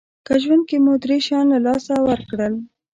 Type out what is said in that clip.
که ژوند کې مو درې شیان له لاسه ورکړل